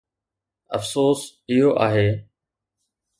افسوس، اهو آهي.